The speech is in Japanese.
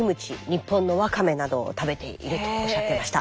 日本のワカメなどを食べているとおっしゃってました。